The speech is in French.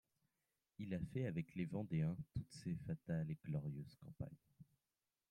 Il fait avec les Vendéens toute cette fatale et glorieuse campagne.